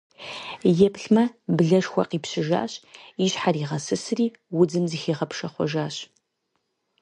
Еплъмэ - блэшхуэ къипщыжащ, и щхьэр игъэсысри, удзым зыхигъэпшэхъуэжащ.